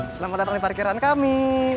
selamat datang di parkiran kami